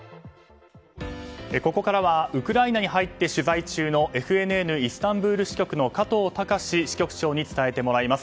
ここからはウクライナに入って取材中のＦＮＮイスタンブール支局の加藤崇支局長に伝えてもらいます。